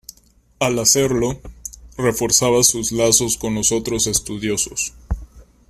Al hacerlo, reforzaba sus lazos con los otros estudiosos.